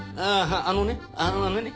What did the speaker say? あのねあのね